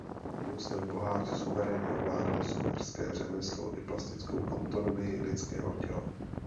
Josef Boháč suverénně ovládal sochařské řemeslo i plastickou anatomii lidského těla.